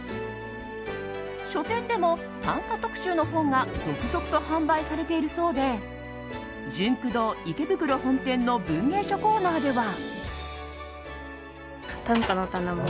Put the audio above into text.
書店でも短歌特集の本が続々と販売されているそうでジュンク堂池袋本店の文芸書コーナーでは。